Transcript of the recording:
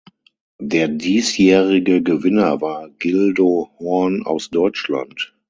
Der diesjährige Gewinner war Guildo Horn aus Deutschland.